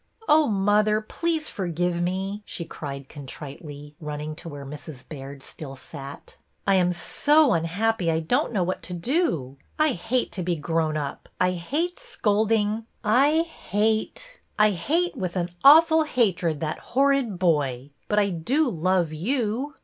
" Oh, mother, please forgive me !" she cried contritely, running to where Mrs. Baird still sat. I am so unhappy I don't know what to do. I hate to be grown up, I hate scolding, I hate — I hate, with an awful hatred, that horrid boy. But I do love you."